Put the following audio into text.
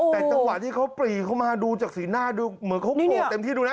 แต่จังหวะที่เขาปรีเข้ามาดูจากสีหน้าดูเหมือนเขาโกรธเต็มที่ดูนะ